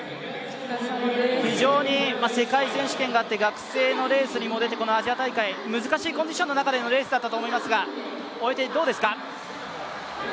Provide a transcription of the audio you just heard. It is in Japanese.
非常に世界選手権があって学生のレースにも出てアジア大会、難しいコンディションの中でのレースだったと思いますが、終えてどうですか？